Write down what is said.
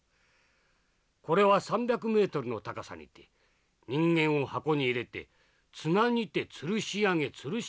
これは３００メートルの高さにて人間を箱に入れて綱にてつるし上げつるし